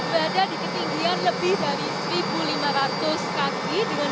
berada di ketinggian lebih dari satu lima ratus kaki